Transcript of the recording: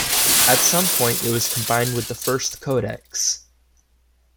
At some point it was combined with the first codex.